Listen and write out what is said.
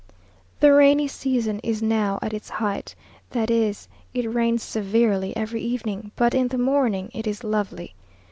The rainy season is now at its height; that is, it rains severely every evening, but in the morning it is lovely.